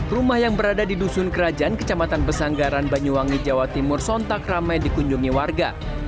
rumah yang berada di dusun kerajaan kecamatan besanggaran banyuwangi jawa timur sontak ramai dikunjungi warga